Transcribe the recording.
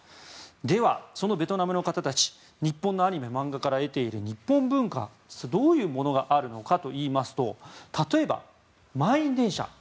では、そのベトナムの方たち日本のアニメ・漫画から得ている日本文化、どういうものがあるのかといいますと例えば、満員電車。